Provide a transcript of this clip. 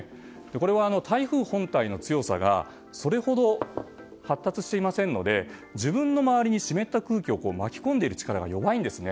これは台風本体の強さがそれほど発達していませんので自分の周りに湿った空気を巻き込んでいる力が弱いんですね。